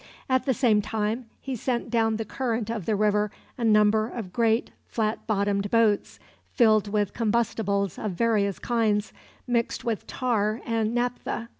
At the same time he sent down the current of the river a number of great flat bottomed boats, filled with combustibles of various kinds, mixed with tar and naphtha.